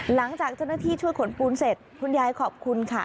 หลังจากเจ้าหน้าที่ช่วยขนปูนเสร็จคุณยายขอบคุณค่ะ